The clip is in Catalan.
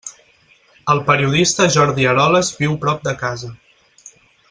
El periodista Jordi Eroles viu prop de casa.